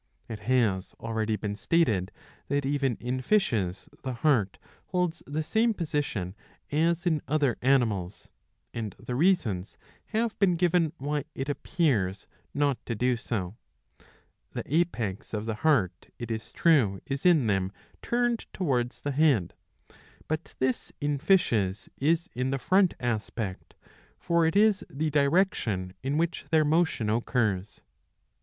^^ It has already been stated that even in fishes the heart holds the same position as in other animals ; and the reasons have been given why it appears not to do so. The apex of the heart, it is true, is in them turned towards the head, but this in fishes is the front aspect, for it is the direction in which their motion occurs.